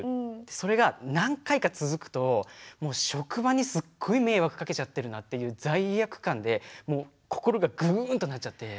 それが何回か続くともう職場にすっごい迷惑かけちゃってるなっていう罪悪感でもう心がグンっとなっちゃって。